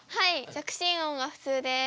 着信音が普通です。